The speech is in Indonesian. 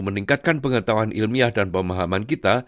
meningkatkan pengetahuan ilmiah dan pemahaman kita